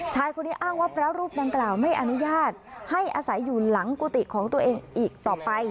ชายคนนี้อ้างว่าพระรูปดังกล่าวไม่อนุญาตให้อาศัยอยู่หลังกุฏิของตัวเองอีกต่อไป